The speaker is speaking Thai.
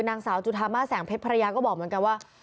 นางสาวจุธามาแสงเพชรภรรยาก็บอกเหมือนกันว่า